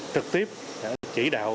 trực tiếp chỉ đạo